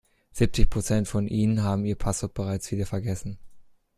Siebzig Prozent von Ihnen haben ihr Passwort bereits wieder vergessen.